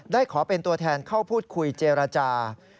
ขอเป็นตัวแทนเข้าพูดคุยเจรจา